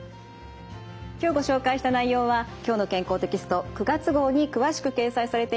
今日ご紹介した内容は「きょうの健康」テキスト９月号に詳しく掲載されています。